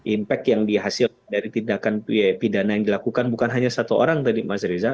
impact yang dihasilkan dari tindakan pidana yang dilakukan bukan hanya satu orang tadi mas reza